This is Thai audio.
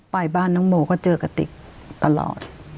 ไปบ้านน้องโมก็เจอกระติกตลอด